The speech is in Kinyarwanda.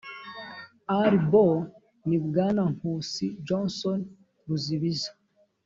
rbo ni bwana nkusi johnson ruzibiza